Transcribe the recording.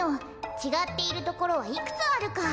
ちがっているところはいくつあるか？